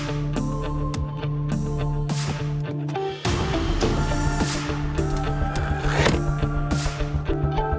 yuk sayang yuk kita masuk yuk